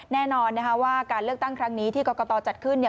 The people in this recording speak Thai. แน่นอนว่าการเลือกตั้งครั้งนี้ที่กรกตจัดขึ้น